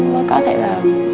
mới có thể là